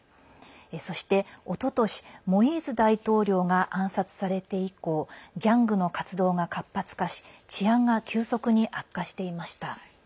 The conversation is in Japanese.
そして、おととしモイーズ大統領が暗殺されて以降ギャングの活動が活発化し治安が急速に悪化していました。